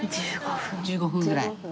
１５分ぐらい。